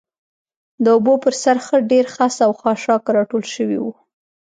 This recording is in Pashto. د اوبو پر سر ښه ډېر خس او خاشاک راټول شوي و.